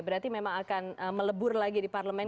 berarti memang akan melebur lagi di parlemen